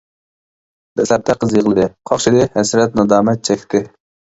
دەسلەپتە قىز يىغلىدى، قاقشىدى، ھەسرەت-نادامەت چەكتى.